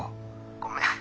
ごめん。